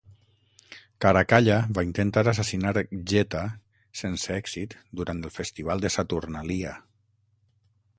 Caracalla va intentar assassinar Geta sense èxit durant el festival de Saturnalia.